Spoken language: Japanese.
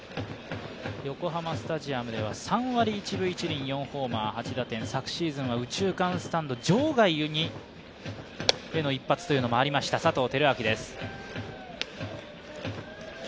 横浜スタジアムでは３割１分１厘、４ホーマー、８打点、昨シーズンは右中間スタンド場外への一発もありました佐藤輝明です。